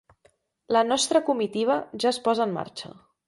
La nostra comitiva ja es posa en marxa